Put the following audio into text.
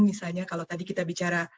misalnya kalau tadi kita bicara